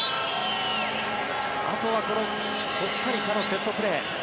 あとはこのコスタリカのセットプレー。